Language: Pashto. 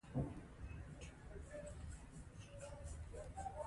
د افغانستان طبیعت په پوره توګه له غزني څخه جوړ شوی دی.